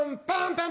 パン！